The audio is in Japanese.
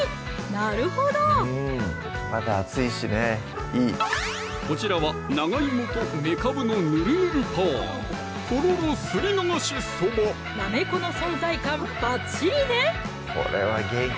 なるほどこちらは長いもとめかぶのぬるぬるパワーなめこの存在感ばっちりね